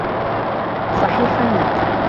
صَحِيحًا لَك